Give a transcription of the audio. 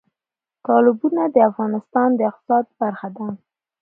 تالابونه د افغانستان د اقتصاد برخه ده.